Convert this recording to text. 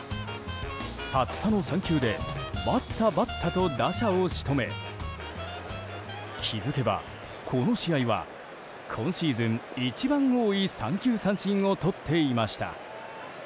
たったの３球でばったばったと打者を仕留め気づけばこの試合は今シーズン一番多い三球三振をとっていました。